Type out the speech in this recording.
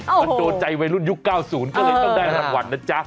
มันโดนใจวัยรุ่นยุค๙๐ก็เลยต้องได้รางวัลนะจ๊ะ